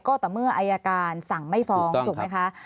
ก็ต่อเมื่ออายการสั่งไม่ฟ้องถูกไหมคะ